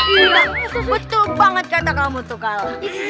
iya betul banget kata kamu tuh kala